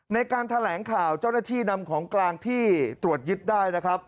ในการแถลงข่าวเจ้าหน้าที่นำของกลางที่ตรวจยึดได้นะครับ